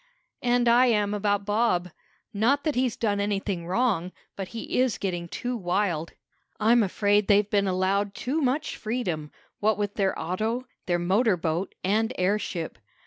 "And I am about Bob. Not that he's done anything wrong, but he is getting too wild. I'm afraid they've been allowed too much freedom, what with their auto, their motor boat, and airship.